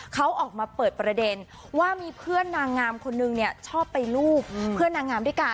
เขาออกมาเปิดประเด็นว่ามีเพื่อนนางงามคนนึงเนี่ยชอบไปรูปเพื่อนนางงามด้วยกัน